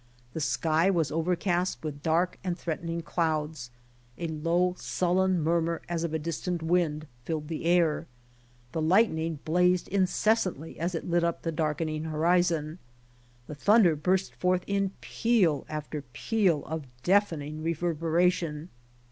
The sky was overcast with dark and threatening clouds, a low sullen murmur as of distant wind filled the air. The lightning blamed incessantly as it lit up the darkening horizon. The thunder burst forth in peal after peal of deafening reverberation.